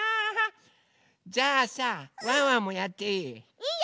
じゃあさワンワンもやっていい？